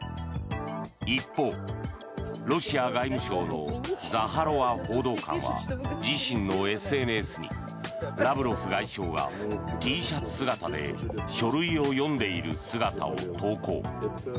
一方、ロシア外務省のザハロワ報道官は自身のＳＮＳにラブロフ外相がＴシャツ姿で書類を読んでいる姿を投稿。